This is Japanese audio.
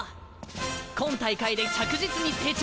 今大会で着実に成長！